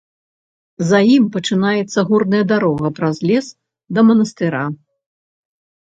За ім пачынаецца горная дарога праз лес, да манастыра.